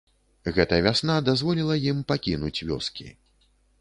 Гэта вясна дазволіла ім пакінуць вёскі.